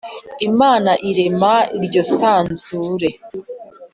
Imana irema iryo sanzure